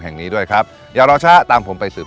แห่งนี้ด้วยครับเดี๋ยวรอชะตามผมไปสืบ